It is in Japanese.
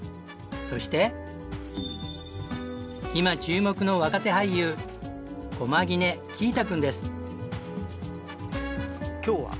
そして今注目の若手俳優駒木根葵汰君です。